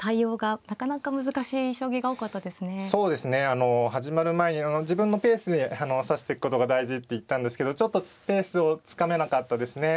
あの始まる前に自分のペースで指してくことが大事って言ったんですけどちょっとペースをつかめなかったですね。